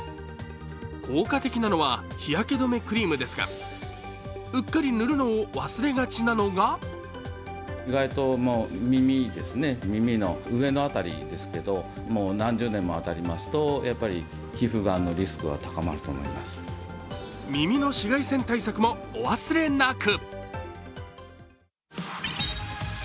効果的なのは日焼け止めクリームですがうっかり塗るのを忘れがちなのが耳の紫外線対策もお忘れなく！